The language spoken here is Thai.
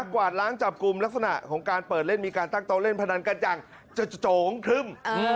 กวาดล้างจับกลุ่มลักษณะของการเปิดเล่นมีการตั้งโต๊ะเล่นพนันกันอย่างจะโจ๋งครึ่ม